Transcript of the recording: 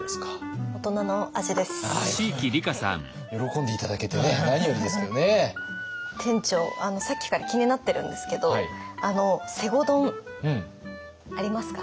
あのさっきから気になってるんですけどあの西郷丼ありますか？